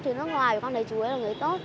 chứ nước ngoài vì con này chú ấy là người tốt